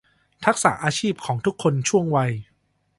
ทักษะอาชีพของคนทุกช่วงวัย